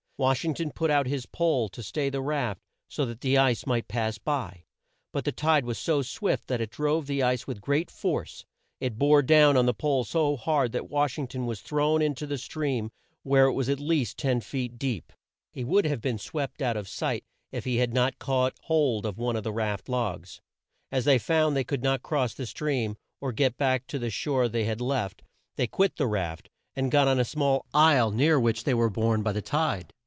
Wash ing ton put out his pole to stay the raft so that the ice might pass by; but the tide was so swift that it drove the ice with great force. It bore down on the pole so hard that Wash ing ton was thrown in to the stream where it was at least ten feet deep. He would have been swept out of sight if he had not caught hold of one of the raft logs. As they found they could not cross the stream, or get back to the shore they had left, they quit the raft, and got on a small isle near which they were borne by the tide.